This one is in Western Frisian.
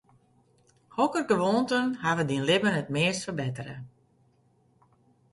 Hokker gewoanten hawwe dyn libben it meast ferbettere?